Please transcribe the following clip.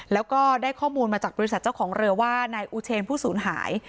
แล้วก็ได้ข้อมูลมาจากบริษัทเจ้าของเรือว่านายอูเชนผู้สูญหาย